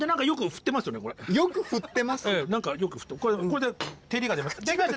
これで照りが出ます。